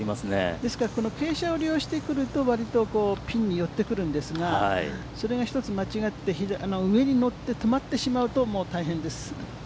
ですから、傾斜を利用してくると割とピンに寄ってくるんですが、それが１つ間違って上に乗って止まってしまうと、もう大変です。